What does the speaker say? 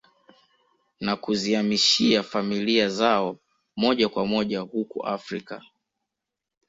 Na kuziamishia familia zao moja kwa moja huku Afrika